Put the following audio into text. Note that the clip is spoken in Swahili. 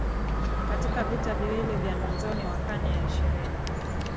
katika vita viwili vya mwanzoni wa karne ya ishirini